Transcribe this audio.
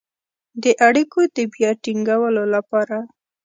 د اړیکو د بيا ټينګولو لپاره